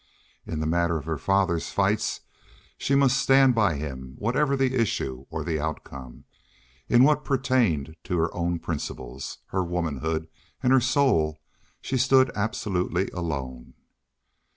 In the matter of her father's fight she must stand by him whatever the issue or the outcome; in what pertained to her own principles, her womanhood, and her soul she stood absolutely alone.